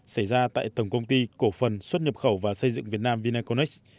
xảy ra tại tầng công ty cổ phần xuất nhập khẩu và xây dựng việt nam vinaconex